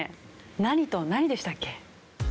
何と何でしたっけ？